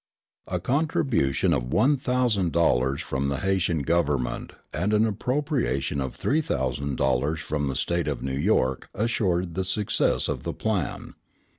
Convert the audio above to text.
A contribution of one thousand dollars from the Haytian government and an appropriation of three thousand dollars from the State of New York assured the success of the plan.